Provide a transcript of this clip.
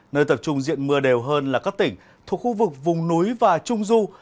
nơi tập trung diện mưa đều hơn là các tỉnh thuộc khu vực vùng núi và trung du